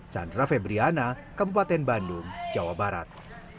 chandra febriyana kempaten bandung jawa barat